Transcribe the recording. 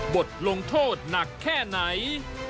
บทลงโทษหนักแค่ไหน